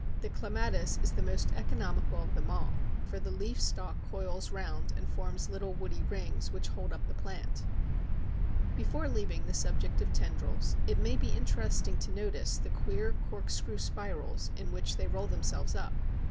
The Clematis is the most economical of them all, for the leaf stalk coils round and forms little woody rings which hold up the plant. Before leaving the subject of tendrils, it may be interesting to notice the queer corkscrew spirals in which they roll themselves up.